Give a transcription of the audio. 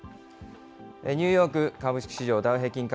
ニューヨーク株式市場ダウ平均株